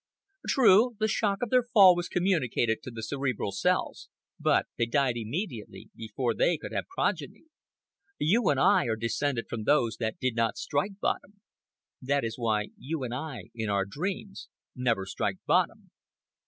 True, the shock of their fall was communicated to the cerebral cells, but they died immediately, before they could have progeny. You and I are descended from those that did not strike bottom; that is why you and I, in our dreams, never strike bottom.